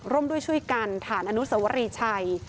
ร่วมด้วยช่วยการ่านอนุสวรรค์หรือชัย